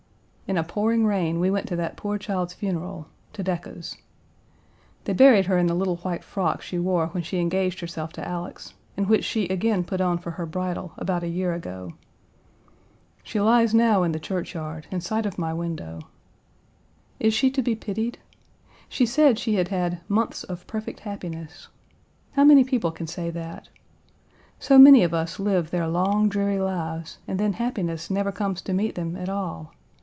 In a pouring rain we went to that poor child's funeral to Decca's. They buried her in the little white frock she wore when she engaged herself to Alex, and which she again put on for her bridal about a year ago. She lies now in the churchyard, in sight of my window. Is she to be pitied? She said she had had "months of perfect happiness." How many people can say that? So many of us live their long, dreary lives and then happiness never comes to meet them at all.